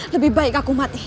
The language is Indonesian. lebih baik aku mati